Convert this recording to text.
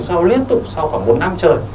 sau liên tục sau khoảng một năm trời